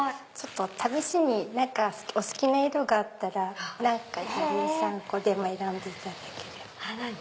試しにお好きな色があったら２３個選んでいただければ。